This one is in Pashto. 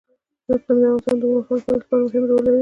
اقلیم د افغانستان د اوږدمهاله پایښت لپاره مهم رول لري.